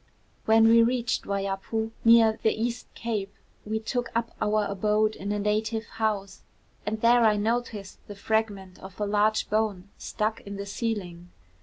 When we reached Waiapu, near the East Cape, we took up our abode in a native house, and there I noticed the fragment of a large bone stuck in the ceiling.